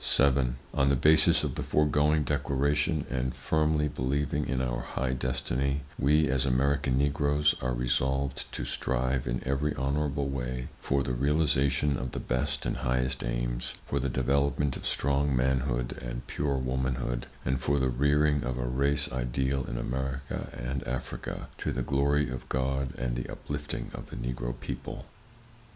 7. On the basis of the foregoing declaration, and firmly believing in our high destiny, we, as American Negroes, are resolved to strive in every honorable way for the realization of the best and highest aims, for the development of strong manhood and pure womanhood, and for the rearing of a race ideal in America and Africa, to the glory of God and the uplifting of the Negro people.